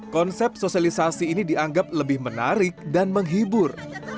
konsep sosialisasi ini dianggap lebih menarik dan menghibur